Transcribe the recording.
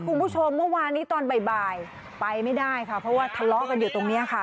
คุณผู้ชมเมื่อวานนี้ตอนบ่ายไปไม่ได้ค่ะเพราะว่าทะเลาะกันอยู่ตรงนี้ค่ะ